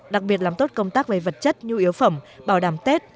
đặc biệt làm tốt công tác về vật chất nhu yếu phẩm bảo đảm tết